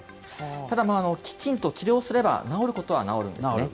ただ、きちんと治療すれば、治ることは治るんですね。